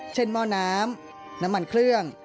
เช่นเมาะน้ำน้ำมันเครื่อง